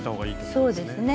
そうですね。